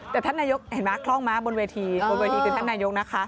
แต่ท่านนายกเห็นไหมคล่องมาบนเวทีบนเวทีคือท่านนายกนะคะ